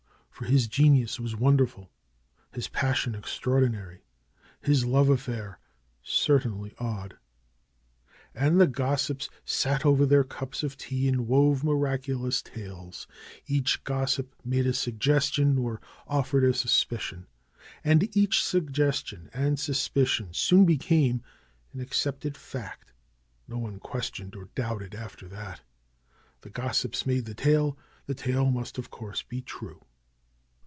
For his genius was wonderful ; his passion extraordinary, his love affair certainly odd. And the gossips sat over their cups of tea and wove miraculous tales. Each gossip made a suggestion, or offered a suspicion. And each suggestion and suspi cion soon became an accepted fact. No one questioned or doubted after that; the gossips made the tale; the tale must, of course, be true.